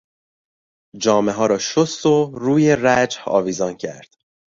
جامهها را شست و روی رجه آویزان کرد.